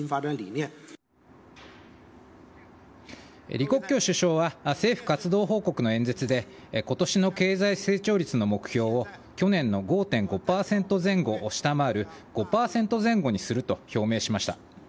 李克強首相は政府活動報告の演説で今年の経済成長率の目標を去年の５．５％前後を下回る５％前後にすると表明しました。